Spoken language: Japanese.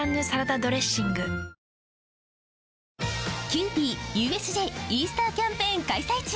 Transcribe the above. キユーピーＵＳＪイースターキャンペーン開催中！